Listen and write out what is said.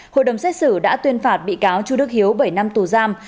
hội đồng xét xử đã tuyên phạt bị cáo chu đức hiếu bảy năm tù giam